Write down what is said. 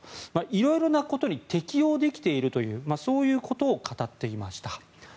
色々なことに適応できているというそういうことを語っていました。